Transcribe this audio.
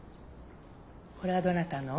これはどなたの？